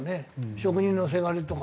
「職人のせがれ」とか。